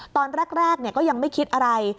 ตอนแรกก็ยังไม่คิดอะไร